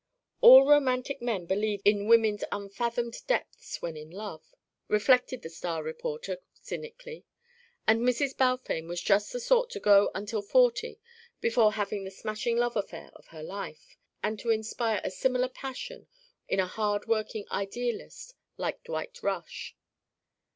All romantic men believe in women's unfathomed depths when in love, reflected the star reporter cynically, and Mrs. Balfame was just the sort to go until forty before having the smashing love affair of her life; and to inspire a similar passion in a hard working idealist like Dwight Rush.